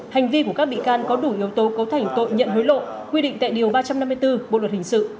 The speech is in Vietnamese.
hành vi của các bị can có đủ yếu tố cấu thành tội nhận hối lộ quy định tại điều ba trăm năm mươi bốn bộ luật hình sự